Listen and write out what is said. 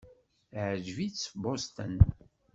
Teɛjeb-itt Boston.